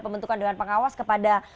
pembentukan dewan pengawas kepada